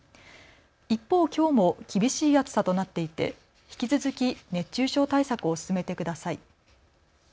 一方、きょうも厳しい暑さとなっていて引き続き熱中症対策を進めてください。